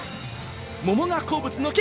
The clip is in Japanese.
桃が好物の兄。